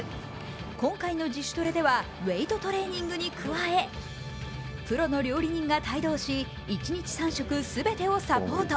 今回の自主トレではウエートトレーニングに加えプロの料理人が帯同し、一日３食全てをサポート。